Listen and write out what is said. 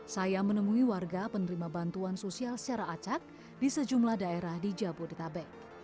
saya menemui warga penerima bantuan sosial secara acak di sejumlah daerah di jabodetabek